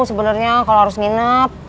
sebenernya kalo harus nginep